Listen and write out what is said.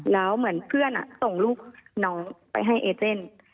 แล้วเหมือนเพื่อนส่งลูกน้องไปให้เอเจน